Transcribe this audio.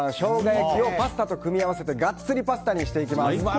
焼きをパスタと組み合わせてガッツリパスタにしていきます。